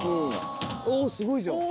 おぉすごいじゃん。